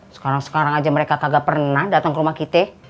sekarang sekarang aja mereka kagak pernah datang ke rumah kita